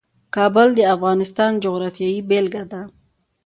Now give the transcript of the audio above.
کابل د افغانستان د جغرافیې بېلګه ده.